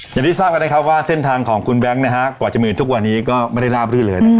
อย่างที่ทราบกันนะครับว่าเส้นทางของคุณแบงค์กว่าจะมีทุกวันนี้ก็ไม่ได้ราบรื่นเลยนะครับ